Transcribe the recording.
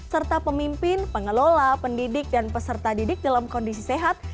serta pemimpin pengelola pendidik dan peserta didik dalam kondisi sehat